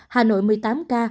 hà nội một mươi tám ca